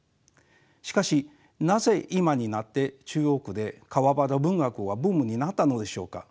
しかしなぜ今になって中国で川端文学がブームになったのでしょうか。